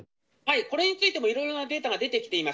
これについても、いろいろなデータが出てきています。